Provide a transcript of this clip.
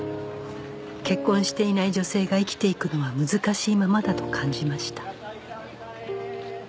結婚していない女性が生きていくのは難しいままだと感じました